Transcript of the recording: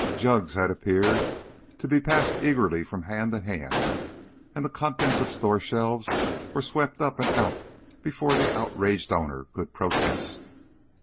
Jugs had appeared, to be passed eagerly from hand to hand, and the contents of store shelves were swept up and out before the outraged owners could protest.